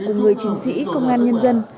của người chính sĩ công an nhân dân